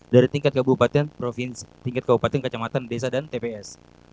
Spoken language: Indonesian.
dari tingkat kabupaten kacamatan desa dan tps